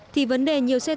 thì vấn đề nhiều xe tải